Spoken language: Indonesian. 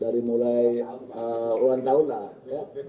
dari mulai ulang tahun lah ya